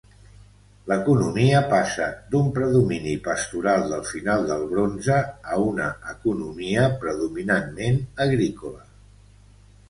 L'economia passa d'un predomini pastoral del final del bronze a una economia predominantment agrícola.